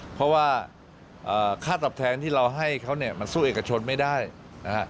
เพราะว่าค่าตอบแทนที่เราให้เขาเนี่ยมันสู้เอกชนไม่ได้นะฮะ